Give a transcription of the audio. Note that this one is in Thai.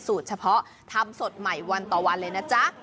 เฉพาะทำสดใหม่วันต่อวันเลยนะจ๊ะ